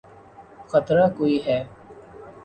خطرہ کوئی ہے۔